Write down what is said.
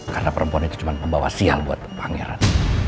karena perempuan itu cuman pembawa sial buat pangeran